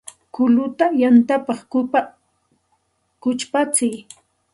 Kulluta yantapa kuchpatsiy